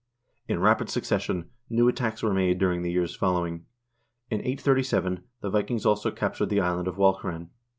In rapid succession new attacks were made during the years following. In 837 the Vikings also captured the island of Walcheren.